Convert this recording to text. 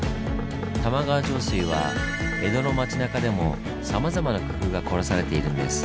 玉川上水は江戸の町なかでもさまざまな工夫が凝らされているんです。